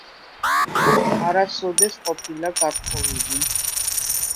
არასოდეს ყოფილა გათხოვილი.